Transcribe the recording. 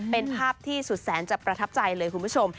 เป็นภาพที่สุดแสนจะประทับใจเลยคุณผู้ชม